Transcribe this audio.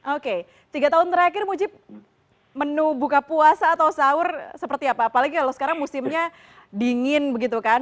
oke tiga tahun terakhir mujib menu buka puasa atau sahur seperti apa apalagi kalau sekarang musimnya dingin begitu kan